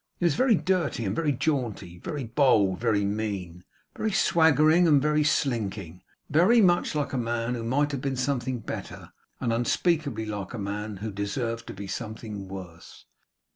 He was very dirty and very jaunty; very bold and very mean; very swaggering and very slinking; very much like a man who might have been something better, and unspeakably like a man who deserved to be something worse.